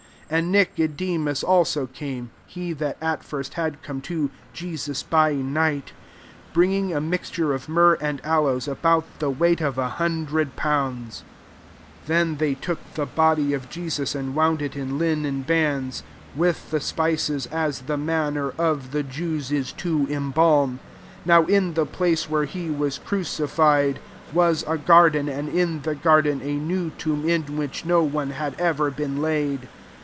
39 And Nicodemus also came, (he that at first had come to Je* sus by night,) bringing a mix ture of myrrh and aloes, about the weight qf a hundred pounds. 40 Then they .took the body of Jesus, and wound it in linen bands with the spices, as the manner of the Jews is to em balm. 41 JsTow, in the place where he was crucified was a garden; and in the garden a new tomb, in which no one had ever been laid.